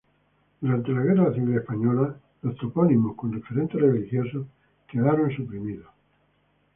Durante la Guerra Civil Española los topónimos con referentes religiosos quedaron suprimidos.